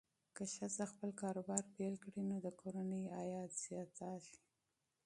که ښځه خپل کاروبار پیل کړي، نو د کورنۍ عاید زیاتېږي.